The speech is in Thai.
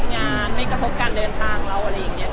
งานไม่กระทบการเดินทางแล้วอะไรอย่างเงี้ยด้วย